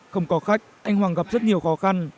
không có khách anh hoàng gặp rất nhiều khó khăn